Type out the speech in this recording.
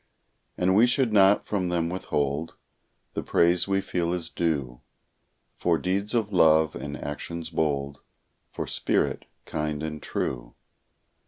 And we should not from them withhold The praise we feel is due For deeds of love, and actions bold, For spirit kind and true.